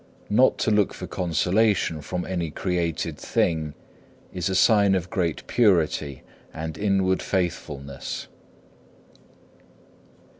Not to look for consolation from any created thing is a sign of great purity and inward faithfulness.